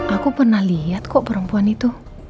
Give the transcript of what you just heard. aku pernah lihat kok perempuan itu